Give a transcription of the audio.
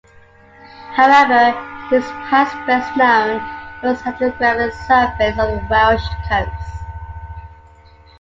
However, he is perhaps best known for his hydrographic surveys of the Welsh Coast.